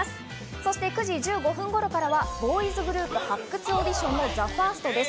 そして９時１５分頃からはボーイズグループ発掘オーディションのＴＨＥＦＩＲＳＴです。